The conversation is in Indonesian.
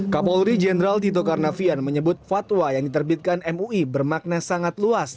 kapolri jenderal tito karnavian menyebut fatwa yang diterbitkan mui bermakna sangat luas